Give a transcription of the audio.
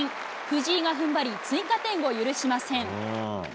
藤井がふんばり追加点を許しません。